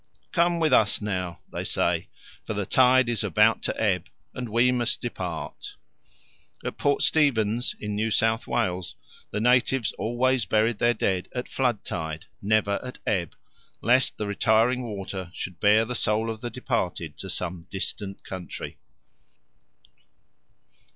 "Come with us now," they say, "for the tide is about to ebb and we must depart." At Port Stephens, in New South Wales, the natives always buried their dead at flood tide, never at ebb, lest the retiring water should bear the soul of the departed to some distant country.